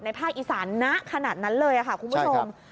ภาคอีสานณขนาดนั้นเลยค่ะคุณผู้ชม